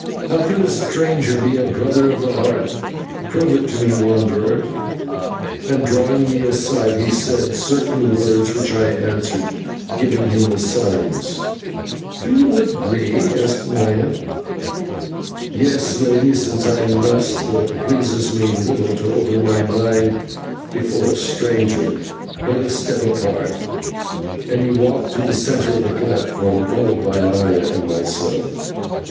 How can a stranger be a Brother of the Heart? Prove it to me, wanderer." And, drawing me aside, he said certain words, which I answered, giving him the signs. "Do you agree?" asked Maya. "Yes, Lady, since I must, though it pleases me little to open my mind before a stranger. Let us step apart" and he walked to the centre of the platform, followed by Maya and myself.